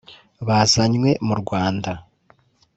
bazanywe mu Rwanda